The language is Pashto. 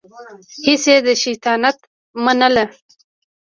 هسې يې د شيطان منله.